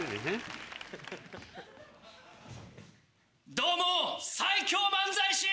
どうも最強漫才師。